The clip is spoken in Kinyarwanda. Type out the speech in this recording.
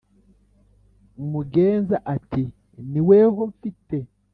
Mugenza ati"niweho mfite